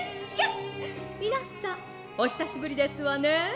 みなさんおひさしぶりですわね」。